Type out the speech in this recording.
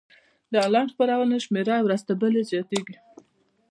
د انلاین خپرونو شمېره ورځ تر بلې زیاتیږي.